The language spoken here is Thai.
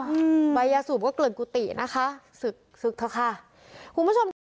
อืมใบยาสูบก็เกลื่อนกุฏินะคะศึกศึกเถอะค่ะคุณผู้ชมค่ะ